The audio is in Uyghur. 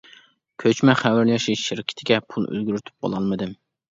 كۆچمە خەۋەرلىشىش شىركىتىگە پۇل ئۈلگۈرتۈپ بولالمىدىم.